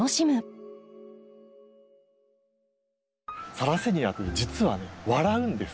サラセニアって実はね笑うんです。